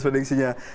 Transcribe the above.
terima kasih rian